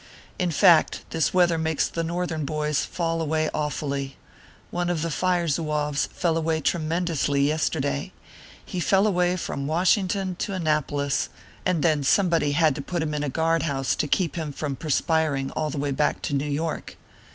In fact, this weather makes the Northern boys fall away awfully ; one of the Fire Zouaves fell away tre mendously yesterday ; he fell away from Washington to Annapolis, and then somebody had to put him in a guard house to keep him from perspiring all the way back to New York.